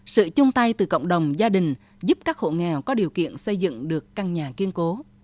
sự chung tay từ cộng đồng gia đình giúp các hộ nghèo có điều kiện xây dựng được căn nhà kiên cố